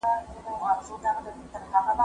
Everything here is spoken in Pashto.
زه مخکي نان خوړلی و!؟